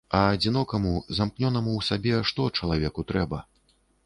А адзінокаму, замкнёнаму ў сабе, што чалавеку трэба?